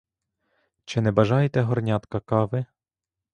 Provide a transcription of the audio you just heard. Чи не бажаєте горнятка кави?